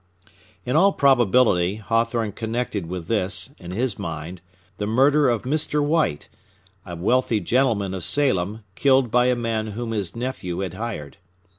In all probability Hawthorne connected with this, in his mind, the murder of Mr. White, a wealthy gentleman of Salem, killed by a man whom his nephew had hired.